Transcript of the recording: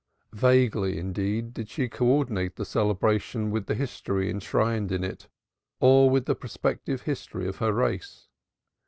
Vaguely, indeed, did she co ordinate the celebration with the history enshrined in it or with the prospective history of her race.